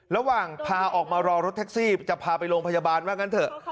ระหว่างพาออกมารอรถแท็กซี่จะพาไปโรงพยาบาลว่างั้นเถอะ